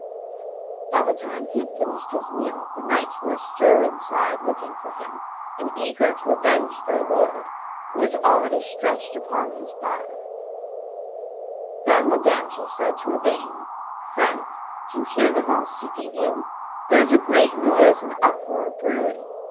(Vv. 1055 1172.) By the time he had finished his meal the knights were astir inside looking for him and eager to avenge their lord, who was already stretched upon his bier. Then the damsel said to Yvain: "Friend, do you hear them all seeking you? There is a great noise and uproar brewing.